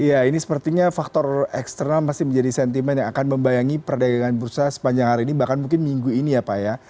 iya ini sepertinya faktor eksternal masih menjadi sentimen yang akan membayangi perdagangan bursa sepanjang hari ini bahkan mungkin minggu ini ya pak ya